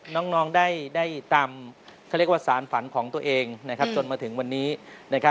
น้องได้ตามสารฝันของตัวเองจนมาถึงวันนี้